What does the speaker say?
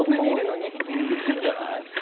言ってるんじゃない？